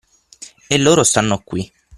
E loro stanno qui!